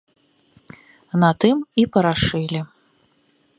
На тым і парашылі.